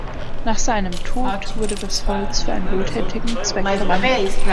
Nach seinem Tod wurde das Holz für einen wohltätigen Zweck verwendet.